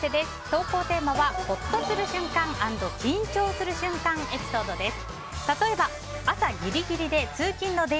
投稿テーマはほっとする瞬間＆緊張する瞬間エピソードです。